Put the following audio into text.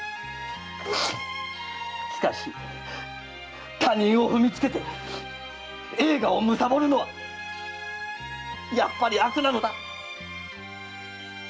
しかし他人を踏みつけて栄華をむさぼるのはやはり悪なのだ！